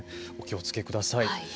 お気をつけください。